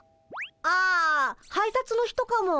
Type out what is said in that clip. あ配達の人かも。